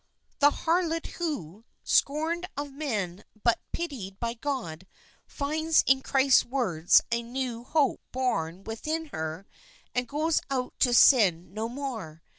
the harlot who, scorned of men but pitied of God, finds in Christ's words a new hope born within her and goes out to sin no more.